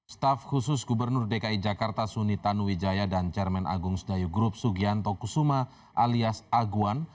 staf khusus gubernur dki jakarta suni tanuwijaya dan cermen agung sedayu group sugianto kusuma alias aguan